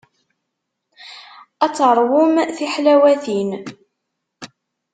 Ad teṛwum tiḥlawatin.